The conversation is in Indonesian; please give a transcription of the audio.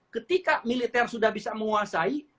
ketika militer sudah bisa menguasai